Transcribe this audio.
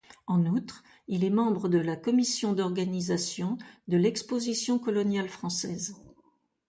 En outre, il est membre de la commission d'organisation de l'exposition coloniale française.